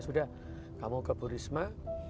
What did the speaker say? sudah kamu ke bu risma